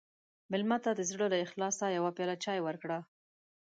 مېلمه ته د زړه له اخلاصه یوه پیاله چای ورکړه.